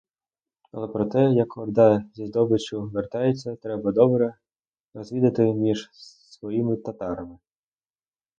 Але про те, як орда зі здобиччю вертається, треба добре розвідати між своїми татарами.